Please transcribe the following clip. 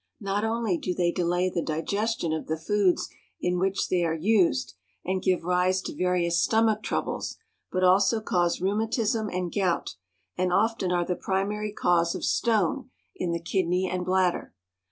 Not only do they delay the digestion of the foods in which they are used, and give rise to various stomach troubles, but also cause rheumatism and gout, and often are the primary cause of stone in the kidney and bladder.